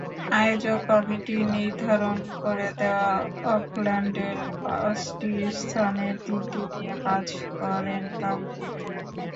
আয়োজক কমিটির নির্ধারণ করে দেওয়া অকল্যান্ডের পাঁচটি স্থানের তিনটি নিয়ে কাজ করেন তামজিদ।